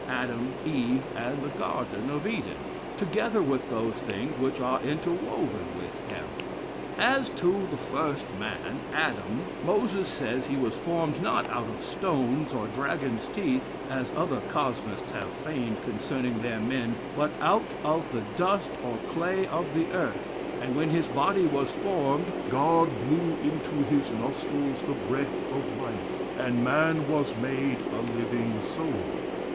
Adam, Eve, and the Garden of Eden, together with those things which are interwoven within them. As to the first man, Adam, Moses says he was formed not out of stones or dragon's teeth, as other Cosmists have feigned concerning their men, but out of the dust or clay of the earth, and when his body was formed, 'God blew into his nostrils the breath of life, and man was made a living soul.'